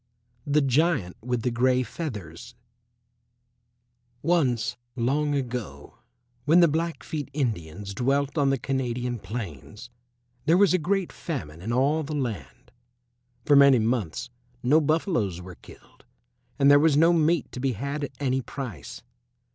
THE GIANT WITH THE GREY FEATHERS Once long ago, when the Blackfeet Indians dwelt on the Canadian plains, there was a great famine in all the land. For many months no buffaloes were killed, and there was no meat to be had at any price.